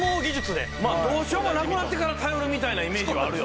どうしようもなくなってから頼るみたいなイメージはあるよ。